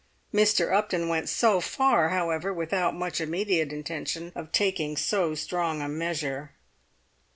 Mr. Upton went so far, however, without much immediate intention of taking so strong a measure.